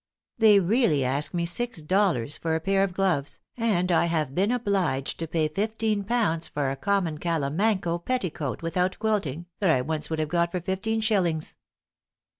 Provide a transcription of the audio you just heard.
.. They really ask me six dollars for a pair of gloves, and I have been obliged to pay fifteen pounds for a common calamanco petticoat without quilting, that I once could have got for fifteen shillings."